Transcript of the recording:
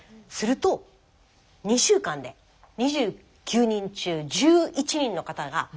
すると２週間で２９人中１１人の方が。